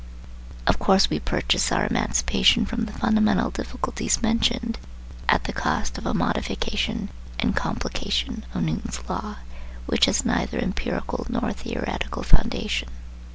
Of course we purchase our emancipation from the fundamental difficulties mentioned, at the cost of a modification and complication of Newton's law which has neither empirical nor theoretical foundation.